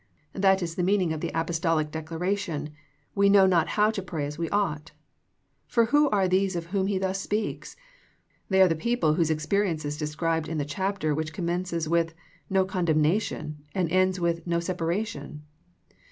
That is the meaning of the Apostolic declaration, " We know not how to pray as we ought." For who are these of whom he thus speaks ? They are the people whose experience is described in the chapter which commences with " no condemnation," and ends with " no separation."